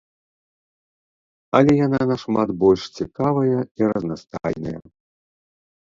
Але яна нашмат больш цікавая і разнастайная.